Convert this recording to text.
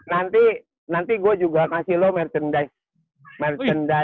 nanti gue juga kasih lo merchandise